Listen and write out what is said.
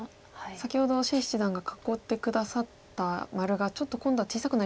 先ほど謝七段が囲って下さった丸がちょっと今度は小さくなりそうな。